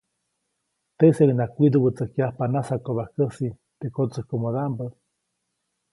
Teʼseʼuŋnaʼajk widuʼwätsäjkya nasakobajkäsi teʼ kotsäjkomodaʼmbä.